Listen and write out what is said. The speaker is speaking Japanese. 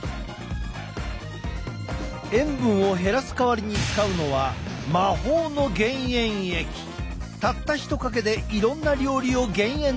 塩分を減らす代わりに使うのはたった１かけでいろんな料理を減塩できる。